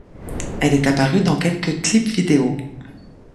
Elle est apparue dans quelques clips vidéo.